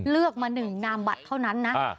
เลือกมา๑นามบัตรเท่านั้นนะ